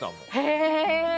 へえ！